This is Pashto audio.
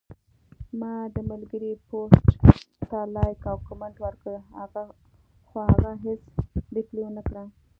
ما د ملګري پوسټ ته لایک او کمنټ ورکړل، خو هغه هیڅ ریپلی ونکړه